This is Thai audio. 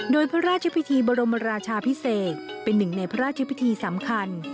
โดยพระราชพิธีบรมราชาพิเศษเป็นหนึ่งในพระราชพิธีสำคัญ